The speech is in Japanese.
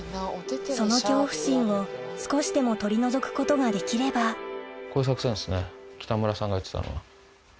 その恐怖心を少しでも取り除くことができればこういう作戦ですね北村さんが言ってたのは。